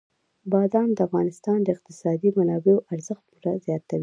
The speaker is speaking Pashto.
بادام د افغانستان د اقتصادي منابعو ارزښت پوره زیاتوي.